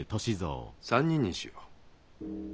３人にしよう。